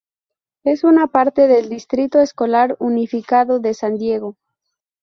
Es una parte del Distrito Escolar Unificado de San Diego.